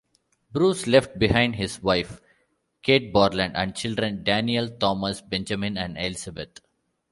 Bruce left behind his wife, Kate Borland, and children Daniel, Thomas, Benjamin and Elizabeth.